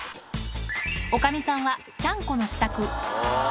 おかみさんはちゃんこの支度。